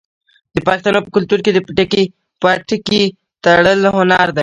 د پښتنو په کلتور کې د پټکي تړل هنر دی.